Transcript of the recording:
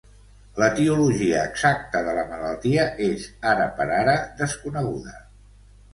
L'etiologia exacta de la malaltia és, ara per ara, desconeguda.